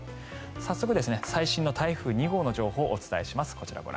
早速、最新の台風２号の情報をお伝えします。